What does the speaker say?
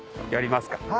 やりますか。